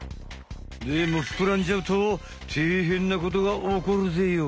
でもふくらんじゃうとてえへんなことがおこるぜよ。